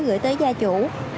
gửi tới gia chủ